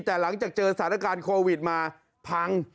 แต่หลังจากเจอสถานการณ์โควิดมาพัง